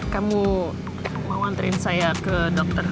kamu mau nganterin saya ke dokter